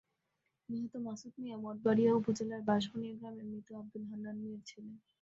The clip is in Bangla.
নিহত মাসুদ মিয়া মঠবাড়িয়া উপজেলার বাঁশবুনিয়া গ্রামের মৃত আবদুল মান্নান মিয়ার ছেলে।